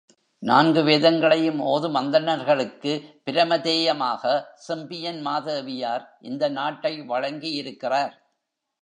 நான்கு வேதங்களையும் ஓதும் அந்தணர்களுக்குப் பிரமதேயமாக, செம்பியன் மாதேவியார் இந்த நாட்டை வழங்கியிருக்கிறார்.